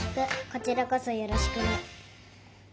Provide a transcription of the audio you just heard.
こちらこそよろしく。